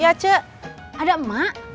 ya ce ada emak